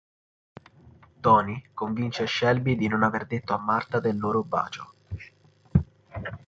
Toni convince Shelby di non aver detto a Martha del loro bacio.